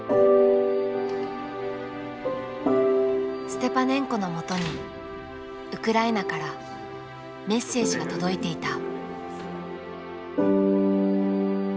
ステパネンコのもとにウクライナからメッセージが届いていた。